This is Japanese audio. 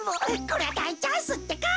これはだいチャンスってか！